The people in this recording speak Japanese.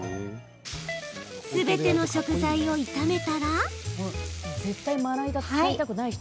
すべての食材を炒めたら。